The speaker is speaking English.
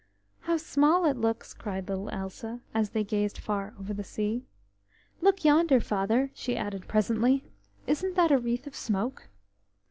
"How small it looks!" cried little Elsa, as they gazed far over the sea. "Look yonder, Father!" she added presently, "isn't that a wreath of smoke?"